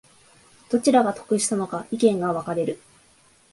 どちらが得したのか意見が分かれる